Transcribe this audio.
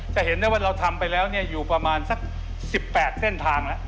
จะเห็นได้ว่าเราทำไปแล้วอยู่ประมาณสัก๑๘เส้นทางแล้ว